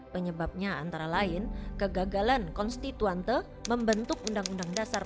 penyebabnya antara lain kegagalan konstituante membentuk undang undang dasar